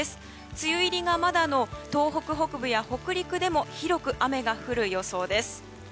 梅雨入りがまだの東北北部や北陸でも広く雨が降る予想です。